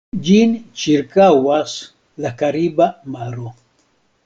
Ĝin ĉirkaŭas la Kariba Maro.